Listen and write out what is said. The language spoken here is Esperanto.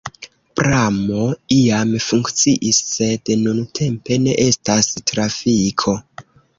Pramo iam funkciis, sed nuntempe ne estas trafiko.